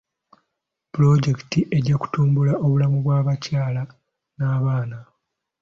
Pulojekiti ejja kutumbula obulamu bw'abakyala n'abaana.